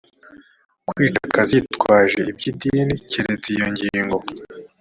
kwica akazi yitwaje iby idini keretse iyo ngingo